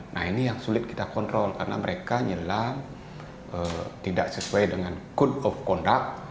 nah ini yang sulit kita kontrol karena mereka nyelam tidak sesuai dengan code of conduct